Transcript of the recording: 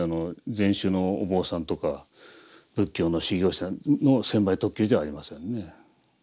禅宗のお坊さんとか仏教の修行者の専売特許じゃありませんね。